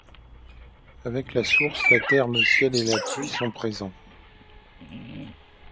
Avec la source, la terre, le ciel et sa pluie sont présents.